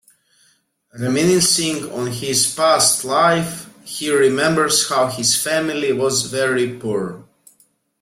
Reminiscing on his past life, he remembers how his family was very poor.